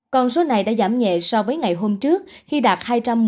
còn số này đã giảm nhẹ so với ngày hôm trước khi đạt hai trăm một mươi chín hai trăm bốn mươi một